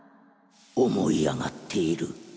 思い上がっている。